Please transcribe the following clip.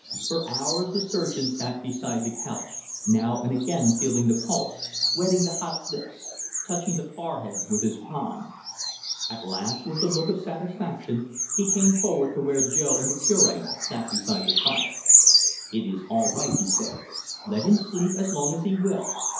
For hours the surgeon sat beside the couch, now and again feeling the pulse, wetting the hot lips, touching the forehead with his palm. At last, with a look of satisfaction, he came forward to where Jo and the Cure sat beside the fire. "It is all right," he said. "Let him sleep as long as he will."